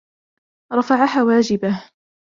رفع حواجبه.